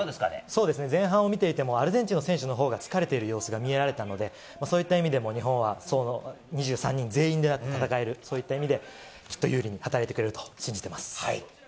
そうですね、前半を見ていても、アルゼンチンの選手のほうが疲れている様子が見られたので、そういった意味でも、日本は２３人全員で戦える、そういった意味で、きっと有利に働いてくれると信じてます。